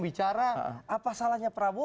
bicara apa salahnya prabowo